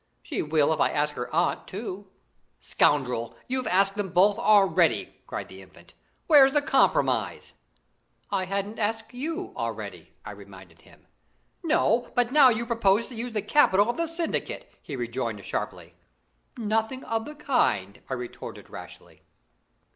"She will if I ask her aunt too." "Scoundrel, you've asked them both already!" cried the Infant. "Where's the compromise?" "I hadn't asked you already," I reminded him. "No, but now you propose to use the capital of the syndicate!" he rejoined sharply. "Nothing of the kind," I retorted rashly.